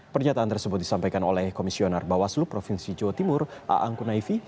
pernyataan tersebut disampaikan oleh komisioner bawaslu provinsi jawa timur aang kunaifi